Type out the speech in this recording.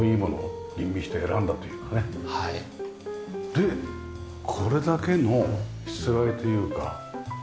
でこれだけのしつらえというか。